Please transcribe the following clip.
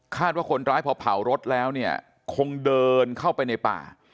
ว่าคนร้ายพอเผารถแล้วเนี่ยคงเดินเข้าไปในป่า